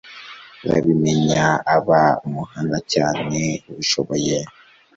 Arabimenya aba umuhanga cyane ubishoboye